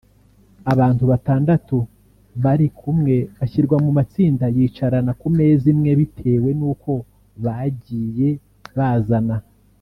Abantu batandatu bari kumwe bashyirwa mu matsinda yicarana ku meza imwe bitewe n’uko bagiye bazana